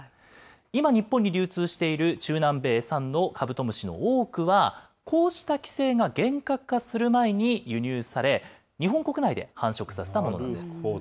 今、日本に流通している中南米産のカブトムシの多くはこうした規制が厳格化する前に輸入され、日本国内で繁殖されたものなんです。